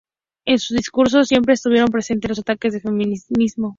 En su discurso siempre estuvieron presentes los ataques al menemismo.